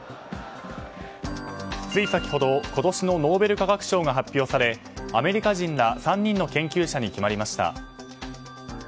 つい先ほど今年のノーベル化学賞が発表されアメリカ人ら３人の研究者に決まりました。